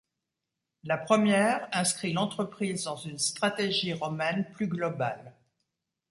La première inscrit l'entreprise dans une stratégie romaine plus globale.